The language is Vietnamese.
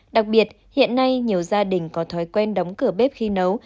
đặc biệt hiện nay nhiều gia đình có thói quen đóng cửa bếp khi nấu